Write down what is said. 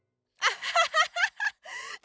アハハハ。